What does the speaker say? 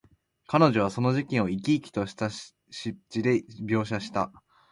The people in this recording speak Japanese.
彼女はその事件を、生き生きとした筆致で描写した。